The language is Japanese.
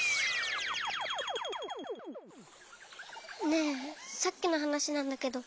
ねえさっきのはなしなんだけど。